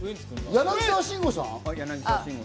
柳沢慎吾さん。